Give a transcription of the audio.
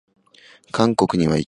韓国にはイケメンが多い